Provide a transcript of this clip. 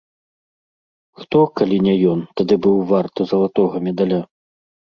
Хто, калі не ён, тады быў варты залатога медаля?